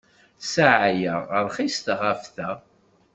Ssaɛa-a rxiset ɣef ta.